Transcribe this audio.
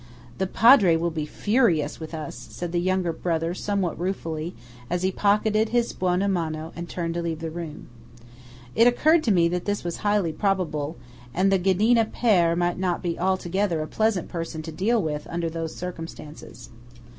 "The Padre will be furious with us," said the younger brother somewhat ruefully, as he pocketed his buona mano and turned to leave the room. It occurred to me that this was highly probable, and the Ghedina père might not be altogether a pleasant person to deal with under those circumstances.